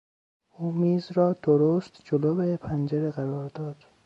او میز را درست جلو پنجره قرار داد.